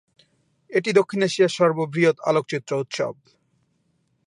এটি দক্ষিণ এশিয়ার সর্ববৃহৎ আলোকচিত্র উৎসব।